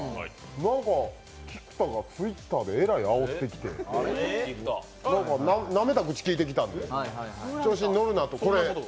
なんか菊田がＴｗｉｔｔｅｒでえらいあおってきて、なめた口聞いてきたので、調子に乗るなと。